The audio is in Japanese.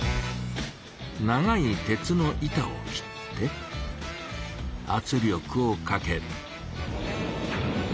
長い鉄の板を切ってあつ力をかけ。